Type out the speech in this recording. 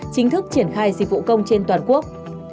chính thức triển khai dịch vụ công trên toàn quốc